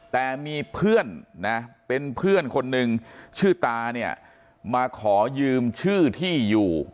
แต่มีเพื่อนนะเป็นเพื่อนคนนึงชื่อตาเนี่ยมาขอยืมชื่อที่อยู่